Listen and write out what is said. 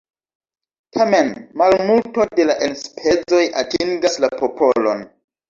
Tamen malmulto de la enspezoj atingas la popolon.